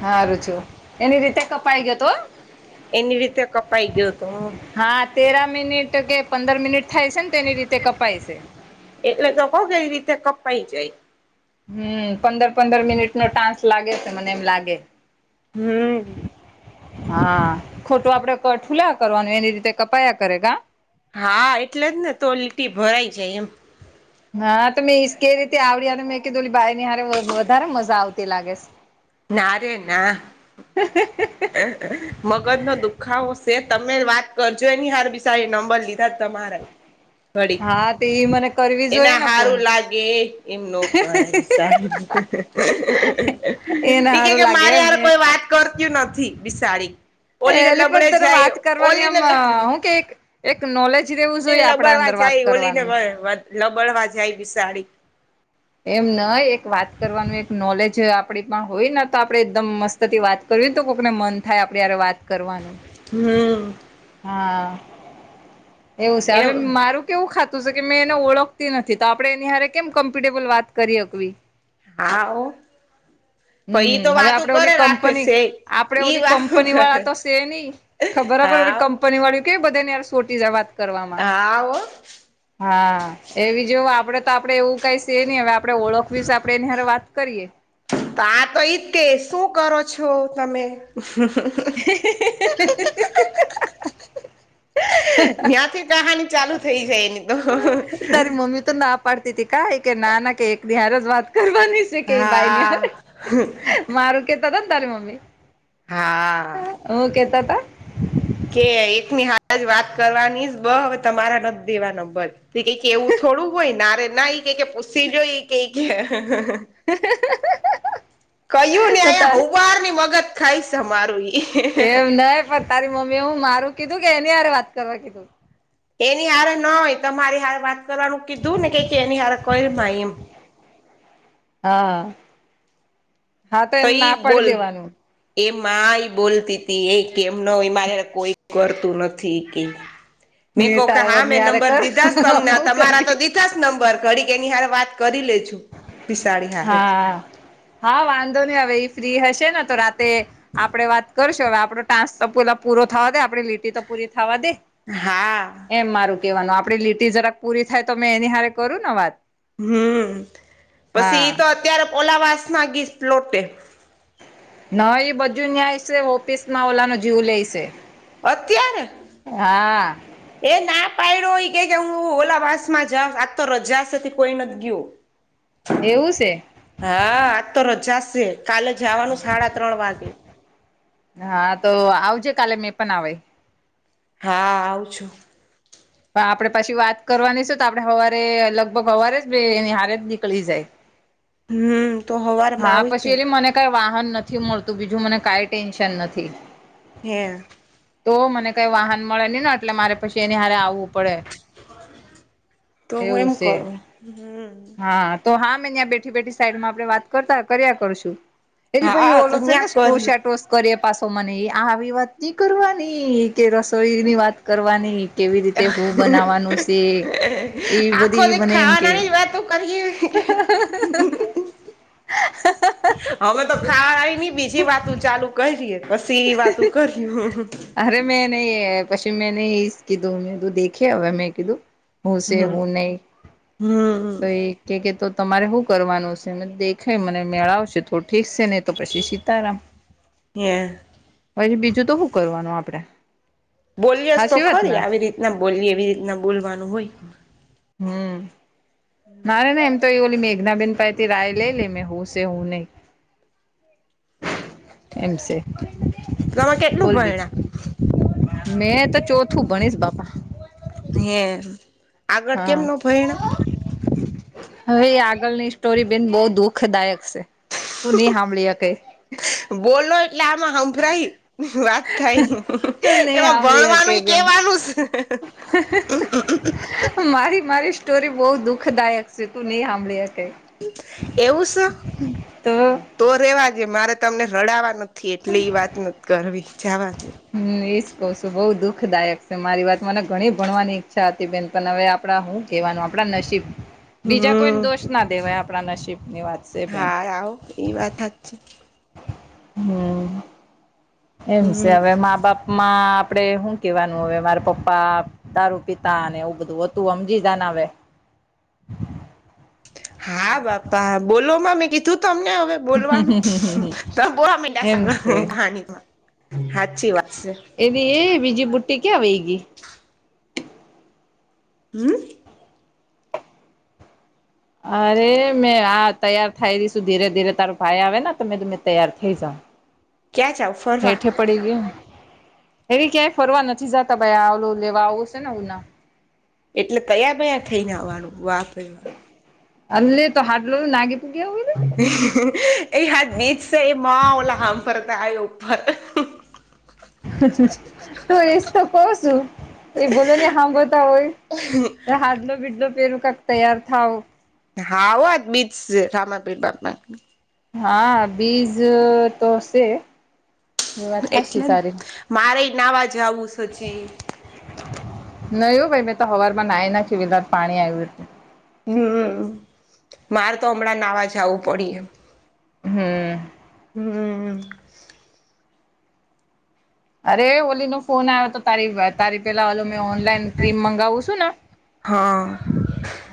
હારું થયું એની રીતે કપાઈ ગયો તો એની રીતે કપાઈ ગયો તો હમ્મ હા તેરા મિનિટ કે પંદર મિનિટ થાય છે ને તેની રીતે કપાય છે. એટલે તો કઉ કઈ રીતે કપાઈ જાય હમ્મ, પંદર પંદર મિનિટ નો ટાસ્ક લાગે છે, મને એમ લાગે હમ્મ. હા, ખોટું આપડે કઠ હું લેવા કરવાનું એની રીતે કપાયા કરે ગા હા, એટલે જ ને તો લીટી ભરાઈ જાય એમ હા, તો મેં ઈજ કે રીતે આવ મેં કીધું બાઈ ની હારે વધારે મજા આવતી લાગે છે. નારેના મગજ નો દુખાવો સે તમે વાત કરજો એની હારે બિસારી નંબર લીધ કર તમારા ઘળ હા તે ઈ મને કરવી જોઈએ એના ને ફોન હારું લાગે એમ ન કરાવ સાહેબ, હા. એ કે કે મારે હારે કોઈ વાત કરતું નથી, બિસાડી ઓલી ને એલી પણ લબડે તને જાય વાત કરવાની ઓલી આમ ને લ- હું કે નોલેજ રેવું લબડવા જાય ઓલી ને લબડવા જાય વિશાળી એમ નઈ એક વાત કરવાનું એક નોલેજ આપડી પણ હોય, ને તો આપડે એકદમ મસ્ત, વાત કરવીને તો કોકને મન થાય આપડી હારે વાત કરવાનું, હમ્મ. હા, એવું છે. એને હવે મારું કેવું ખાતું છે કે મેં એને ઓળખતી નથી, તો આપણે એની હ કેમ કમ્ફર્ટેબલ વાત કરી હકવી? હા હો હમ્મ, હવે આપડે ઓલી એ રાખે કંપની શેઠ આપડે ઈ ઓલી વાતું કંપની કરે વાળા તો છે નઈ ખબરબર ઓ હાવ કંપની વાળી, કે બધાને યાર સોટી જાય વાત કરવામાં, હાવ હો હા, એવી જોવ આપડે તો આપડે એવું, કઈ એ નહી હવે આપડે ઓળખવીશે આપણે એની વાત કરીએ, તો આ તો ઈજતે શું કરો છો? તમે ત્યાં થી કહાની ચાલુ થઈ જાય, એની તો તારી મમ્મી તો ના પાડતી ત કાઈ કે નાના કે એક દિ હાર જ વાત કરવાની, કઈ ભાઈ ન હા મારું કેતા હતા ને તારી મમ્મી હા. હું કેતા તા? કે એકની હાલ જ વાત કરવાની જ બ હવે તમારા નથી દેવા નંબર તે કઈ એવું થોડું હોય નારે નાઈ કઈ પૂસી જોઈ કઈ હ... કહ્યું, ને અહીયા હૌવાર ની મગજ ખાઇ છે મારું ના એ પર તારી મમ્મી એ હું મારું કીધું કે એની હારે વાત કરવા કીધું? એની હારે નઈ, તમારી હારે વાત કરવાનું કીધું ને કે એની હારે કરી ય એમ હા. હા તો એને ઈ ના પાડી બોલ, દેવાનું એમા એ બોલતી તી એ કેમ ન મારી હારે કોઈ કરતું નથી, કે મે ને કહ કે તારા વર હા ની મેં હારે નંબર કર દીધા તમને અમે હું તમારા તો કરવી દીધ પાસ નંબર ઘડી કે એની હારે વાત કરી લે જો. પિસાડી હા હા વાંધો નહી, હવે એ ફ્રી હશે ને તો રાતે આપડે વાત કરશો હવે આપડો ટાંસ તો પેલા પૂરો થવા દે આપે લી- તે તો પૂરી થાવા દે હા એમ મારું કેહેવાનું આપડી લીટી જરાક પૂરી થાય, તો મેં એની હારે કરું ને વાત હમ્મ પછી હા તો અત્યારે ઓલાવાસ ના ગી્લોટે- ના એ બધું ન્યાય છે ઓફિસ માં ઓલા ને જોઈ લે છે. અત્યારે? હા એ ના પાાયડ્યો હોય કે હું ઓલા વાસ માં જાઉં આજ તો રજા હતી કોઈ નથી કેવુ એવું છે? હા આજ તો રજા છે કાલે જવાનું છે હાડા ત્રણ વાગે- હા તો આવજે કાલે મેં પણ આવે હા આવું છું. હા આપડે પછી વાત કરવાની છે તો આપડે સવારે લગભગ હવારે જ એની હારે જ નીકળી જાય હમ્મ હા પછી એલી મને કઈ વાહન નથી મળતું બીજું મને કઈ ટેન્શન નથી. હે તો મને કઈ વાહન મળે હી ને એટલે મારે પછી એની હારે આવું પડે તો હું એવું એમ છે કરું હમ હા તો હા મેં ત્યાં બેઠી બેઠી સાઈડમાં આપડણે વાત કરતા કર્યા કરશું એ હા તો ઓલો છે ને ન્યા ટો કરી શાટો કરીએ પાછો મને આવી વાત ની કરવાની કે રસોઈ ની વાત કરવાની કેવી રીતે હું બનાવવાનું છે એ આખો બધી દ મને એમ કે ખાવાનાની જ વાતો કરીએ હવે તો ખાવા ની બીજી વાતો ચાલુ કરીે પછી વાતો કર્યું અરે મેં નહી પછી મેં નહી કીધું મેધું દે હવે મેં કીધું હું છે હમ હું નહીં હમ તો એ કે કે તો તમારે શું કરવાનું છે દેખાય મને મેળાવશે થોડું ઠીક છે ને તો પછી સીતારામ હે પછી બીજું તો હું કરવાનું આપડે બોલિયેજ તો હાચી વાત ખરી ને આવી રીતના બોલીએ એવી રીતના બોલવાનું હોય હમ્મ ના રે ના એમ તો એ બોલી મે મેઘનાબેન પાઈથી રાય લઈ લે મે હું છે હું નહી એમ છે તમે કેટલું બોલ ભયણા બીજું મેં તો ચોથું ભણીસ બાપા હે આગળ હા કેમનો ભણ્યા? હવે આગળની સ્ટોરી બેન બો દુઃખદાયક છે. તું ની સાંભળી હકે બોલો એટલે આમાં સંભળાય વાત થાય તું નહી એમાં સાંભળી હકે ભણવાનું બેન કેવાનું છે. [unintelligible] મારી મારી સ્ટોરી બો દુઃખદાયક છે તું નહી સાંભળી શકે એવું છે તો તો રેવાજ મારે તમને રડાવા નથી એટલે એ વાત નથી કરવી જવાત હમ્મ એ જ કહ છું બઉુ દુખદાયક છે મારી વાત મને ઘણી ભણવાની ઈચ્છા હતી બેન પણ હવે આપણા હું કેવાનું આપણા નસીબ બીજા કોઈ હમ દોષ ના દેવાય નસીબની હારાઓ એ વાત હાચી. હમ્મ. એમ છે હમ હવે મા બાપમાં આપડે શું કેવાનું હવે મારા પપ્પા દારૂ પિતા અને એવું બધું હતું સમમજી જાને આવે હા બાપા બોલોમાં મેં કીધું તમને હવે બોલવાનું તો બોવા એમ માંડ્યા છે કણીમાં સાચી વાત છે એવી એ બીજી બુટી ક્યા વય ગી હમ્મ. અરે મેં હા તૈયાર થાય રશું ધીરે ધીરે તારો ભાઈ આવે ને તમે તમે તૈયાર થઇ જાવ ક્યાં જાવ ફરવા? હેઠે પડી ગય, એવી ક્યાંય ફરવા નથી જતા ભાઈ આવલો લેવા આવો છે ને ઉના એટલે તૈયાર બિયાર થઈને આવાનું વા ભાઈ વા લે તો [unintelligible] લાગી તો ગયા હોય ને એ હા બીચ એ મા ઓલા હ પરતા આ [unintelligible] તું એશ તો કવ છું. એ ભલે ને હાંભડતા હોય, ત્યાં હાડલો બીડલો પેરું કક તૈયાર થાવ. હા હોજ બીજ છે, રામાપીર બાપા. હા, બીજ તો છે. એ વાત હાચી એટલે તારી મારે નાવા જ આવું હજી નાયુ ભાઈ મેં તો હવાર માં નાય નાખ્યું વિલા પાણી આવ્યું એટલે હમ્મ, મારે તો હમણાં નાવા જવું પડીએ હમ્મ. હમ્મ. અરે ઓલી નો ફોન આવ્યો તો તારી, તારી પેલા ઓલો મેં ઓનલાઈન ક્રીમ મગાવું છું ને. હા.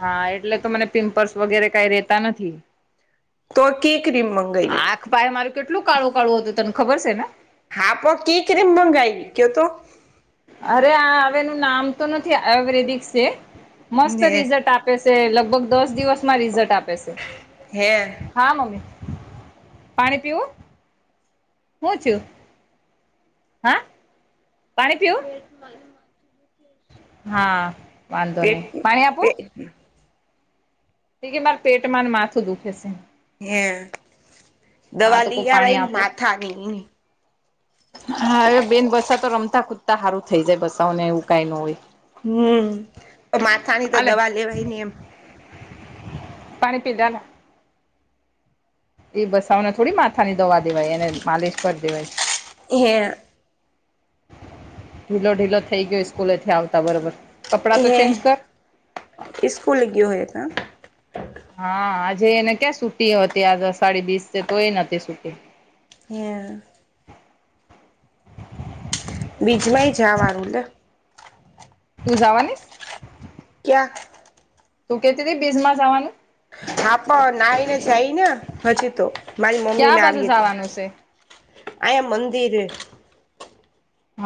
હા, એટલે તો મને પિમ્પલ્સ વગેરે કઈ રેતા નથી. તોકી ક્રીમ મગાઈને. [unintelligible] મારું કેટલું કાળું કાળું હતું તને ખબર છે, ને. હા પો કી ક્રીમ મંગાવી કયો તો? અરે આ હવેનું નામ તો નથી, આયુર્વેદિક છે, મસ્ત હે રિઝલ્ટ આપ આપે છે, લગભગ દસ દિવસમાં રિઝલ્ટ આપે છે. હે. હા મમ્મી, પાણી પીવું? હું થયું? હા, પાણી પીવુ? [inaudible] હા. વાંધો એક નહી પાણી આપો બે. કે માર પેટમાંને માથું દુખે છે. હે હા દવા તો કોઈ લી પાણી અવાય ને આપો માથા ની. હા, હવે બેન બસા તો રમતા કુદતા સારું થઈ જાય બસા ને એવું કઈ ન હોય. હમ્મ, તો માથાની તો હાલે દવા લેવાય ને એમ. પાણી પીધા ને એ બસાવને થોડી માથા ની દવા દેવાય એને માલિશ કરી દેવાય. [inaudible] ઢીલો ઢીલો થઈ ગયો સ્કૂલે થી આવતા બરોબર. કપડાં તો ચેન્જ કર [unintelligible] સ્કુલ ગયો એ તો હા આજે એને ક્યાં રજા હતી આ [unintelligible] તો એ [unintelligible] રજા. [unintelligible] [unintelligible] જવાનું ને તું જવાની કયાં તું કહેતી હતી. બીજ માં જવાની હા પણ ના આવી ને જાય ને હમણાં તો મારી મમ્મી ક્યા ને બાજુ આવી હતી. જવાનું છે અંહિયા મંદિરે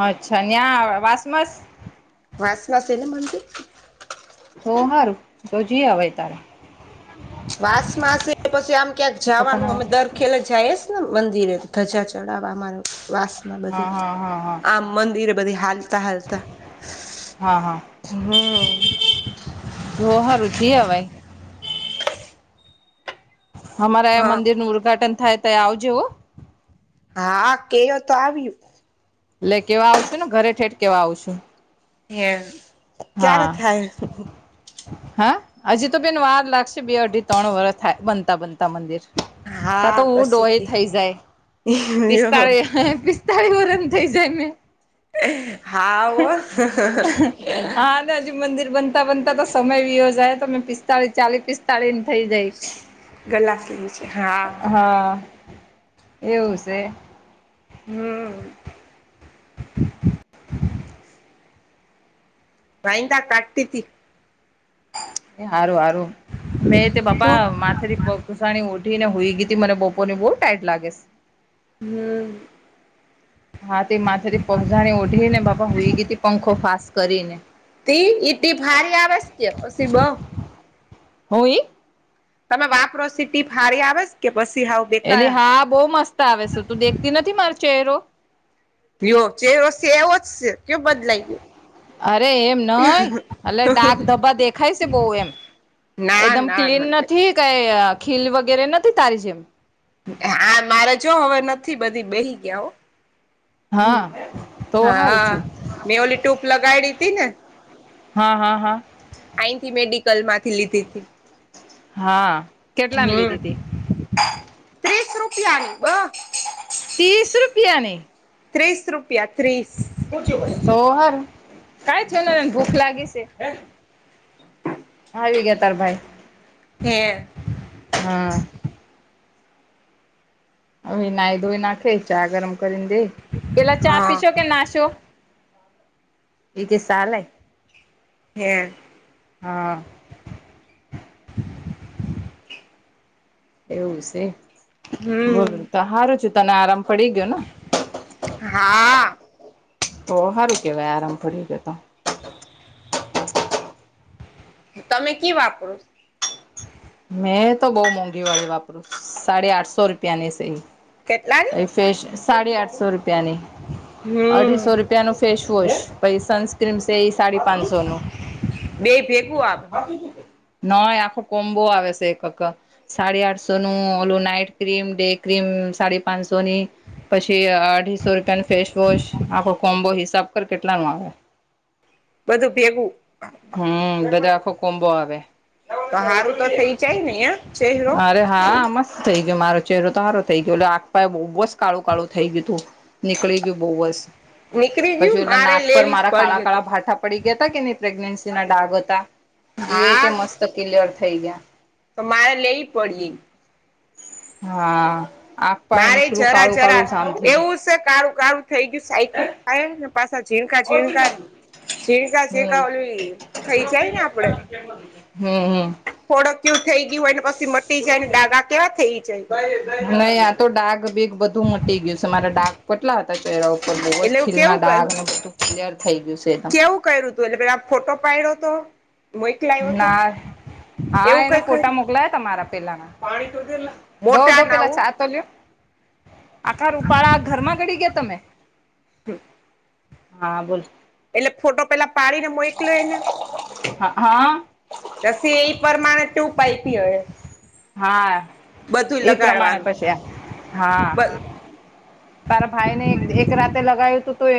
અચ્છા [unintelligible] [unintelligible] અને મંદિર તો સારું તો જઈ આવે તારે. [unintelligible] આમ ક્યાંક પપ્પા જવાનું ના અમે દર ખેલા જઈસ ને મંદિરે ધજા ચડાવ માર [unintelligible] બધી હા હા હા હા આમ મંદિરે બધી હાલતા હાલતા હા હા હમ. તો સારુ જઈ અવાય. અમારે અહિયા હા મંદિરનું ઉદધાટન થાય ત્યારે આવજે હો. હા કહી તો આવી. [unintelligible] કેવા આવશું ને ઘરે સુધી કેવા આવશું. હે ક્યારે હા થાય હા. હજી તો બેન વાર લાગશે બે અઢી ત્રણ વર્ષ થાય મંદિર બનતા. ત્યારે હા તો હુ પછી ડોસી કે થઈ જઈસ, પિસ્તા યો [unintelligible] વર્ષની થઈ જાય ને હા. હો હજુ મંદિર બનતા બનતા તો સમય વીતી જાય તમે પિસ્તાળી પિસતાળીની થઈ જાય. ગલાસ લીધું છે હા હા. એવું છે. હમ. [unintelligible] સારું સારું મેં તે બાપા તો માથેથી [unintelligible] ઉઠી ને સુઈ ગઈ હતી મને બપોરની બહુ [unintelligible] લાગે. હમ. હાથથી તે માથેથી પગજાણી ઓઢી ને બાપા સુઈ ગઈ હતી. પંખો ફાસ કરીને [unintelligible] [unintelligible] તમે વાપરો [unintelligible] એ હા બહુ મસ્ત આવે છે, તું દેખતી નથી મારો ચહેરો. લયો ચેહરો છે એવો જ છે કયો બદલાઈ ગયો. અરે એમ નહી. ડાક ધબા દેખાય છે બહુ એમ ના એકદમ ના ક્લીન નથી, કઈ ખીલ વગેરે નથી તારી જેમ આ મારે જો હવે નથી બધી બેસી ગયા હો. હા તો હા. હારું છું હા. મેં પેલી ટીપ લગાવડી હતી ને હા હા હા અહીથી મેડિકલમાંથી લીધી હતી. હા કેટલાને હમ લીધી તી ત્રીસ રૂપિયાની બ ત્રીસ રૂપિયાની ત્રીસ રૂપિયા ત્રીસ તો હારુ કઈ થયું એને ભૂખ લાગી છે. આવી ગયા તાર ભાઈ, હે હા હવે નાઈ ધોઈ નાખે ચા ગરમ કરીને દે પેલા હ ચા પીસો કે નાશો. ઇ કે ચા લાય હે હા [inaudible] એવું છે બોલો હમ તો હારું થયું તને આરામ પડી ગયો ને હા તો હારું કેવાય આરામ પડી ગયો તો તમે કિ વાપરો મેં તો બૌ મોંઘી વાળી વાપરું સાડી આઠસો રૂપિયા ની સીંગ કેટલા ની ફેશ સાડી આઠસો રૂપિયાની અઢીસો હમ રૂપિયાનું ફેશ વોશ પછી સનસ્ક્રીમ્સ તે સાડે પાંશો નું બે ભેગું આવે નય આખો કો બો આવે છે એક ક સાડી આઠસો નું ઓલું નાઈટ ક્રીમ ડે ક્રીમ સાડી પાંસો ની પછી અઢીસો રૂપિયા નું ફેસવોશ આખો કોમ્બો હિસાબ કર કેટલા નું આવે બધું ભેગું હમ બધા આખો કોમબો આવે તો હારું તો થઈ જાય ને યા અરે હા મસ્ત થઈ ગયો મારો ચહેરો તો હારો થઈ ગયો એટલે આગપાય બહુ બસ કાળું કાળું થઈ ગયું તું નીકળી ગયું બહુસ નીકળી પછી ગયું એલા મારે નાક પર લેવી જ મારા કાળા પડી તો કાળા ભાટા પડી ગયા તા કેની પ્રેગ્નેન્સી ના ડાગ હતા એ હા તે મસ્ત ક્લિયર થઈ ગયા તો મારે લેવી પડી હા આંખ પાય મારે નીકળું જરા કાળું જરા કાળું જામ થઈ એવું છે કાળું કાળું થઈ ગયું સાઈખું કારણ કે પાછા ઝીણકા ઝીણકા હમ છીંકા છીંકા ઓલું થઈ જાય ને આપડે [inaudible] હમ હમ થોડકયું થઈ ગયું એને પસ [inaudible] નઈ આ તો ડાઘ બીગ બધું ગયું છે મારા ડાગ કેટલા હતા ચહેરા ઉપર બોસ એટલે ખીલના કેવું કર ડાગને બધું ક્લિયર થઈ ગયું છે એકદમ કેવું કર્યું તુંયે પેલા ફોટો પડ્યો તો મોકલાયો તો ના હા એવું એને કઈ ફોટા કર્યું મોકલાયાતા મારાં પેલાના દો મોટા દો પેલા નાવો ચાર લ્યો આખા ઉપાળા ઘરમાં ઘડી ગયા તમે હમ્મ હા બોલ. એટલે ફોટો પેલા પાડી ને મોકલોયો એને? હ હા. તો સ એ પરમાણે ટું પાયપી હોય. હા એ પ્રમાણે લગાડવાનું પછી હા. બ તારા ભાઈ ને એએક રાતે લગાવું હતું તો